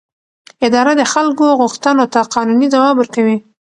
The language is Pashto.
اداره د خلکو غوښتنو ته قانوني ځواب ورکوي.